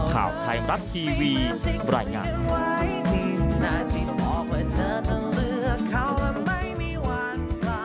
ข่าวไทยมรัฐทีวีรายงาน